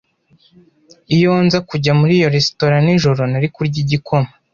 Iyo nza kujya muri iyo resitora nijoro, nari kurya igikoma.